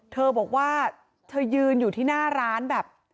เธอบอกว่าเธอยืนอยู่ที่หน้าร้านแบบ